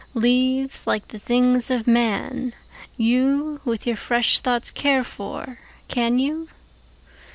Leáves, líke the things of man, youWith your fresh thoughts care for, can you?